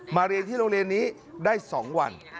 เรียนที่โรงเรียนนี้ได้๒วัน